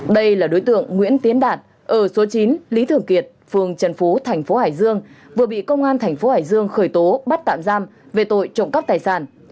đây là đối tượng nguyễn tiến đạt ở số chín lý thường kiệt phường trần phú tp hải dương vừa bị công an tp hải dương khởi tố bắt tạm giam về tội trộm cắp tài sản